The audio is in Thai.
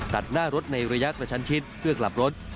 ตัดหน้ารถในระยะกระชันชิดเพื่อกลับรถ